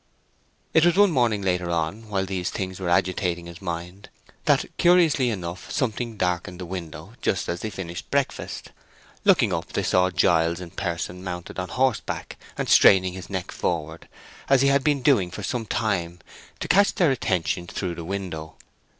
It was one morning later on, while these things were agitating his mind, that, curiously enough, something darkened the window just as they finished breakfast. Looking up, they saw Giles in person mounted on horseback, and straining his neck forward, as he had been doing for some time, to catch their attention through the window.